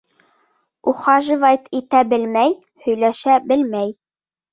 Ухаживайт итә белмәй, һөйләшә белмәй.